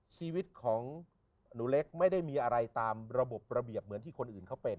ชีวิตของหนูเล็กไม่ได้มีอะไรตามระบบระเบียบเหมือนที่คนอื่นเขาเป็น